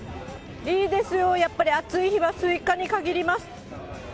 いいですよ、やっぱり、暑い日はスイカにかぎります。